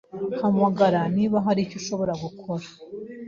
Hamagara niba hari icyo nshobora gukora.